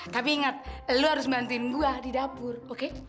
tapi ingat lu harus bantuin gue di dapur oke